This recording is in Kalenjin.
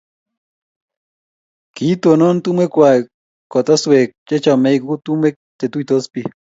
kiitonon tumwekwach koteswek che chomei tumwek che tuisot biik